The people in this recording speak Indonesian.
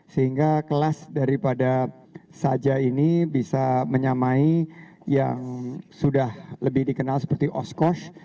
sehingga kelas daripada saja ini bisa menyamai yang sudah lebih dikenal seperti os cost